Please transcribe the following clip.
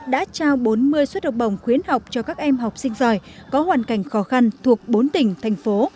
đã trao bốn mươi suất học bổng khuyến học cho các em học sinh giỏi có hoàn cảnh khó khăn thuộc bốn tỉnh thành phố